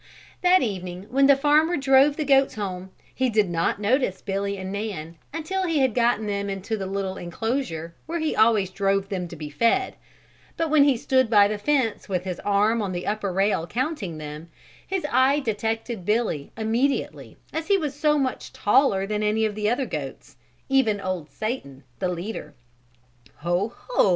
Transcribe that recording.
That evening when the farmer drove the goats home he did not notice Billy and Nan until he had got them into the little enclosure where he always drove them to be fed; but when he stood by the fence with his arm on the upper rail counting them, his eye detected Billy immediately as he was so much taller than any of the other goats, even old Satan, the leader. "Ho, Ho!"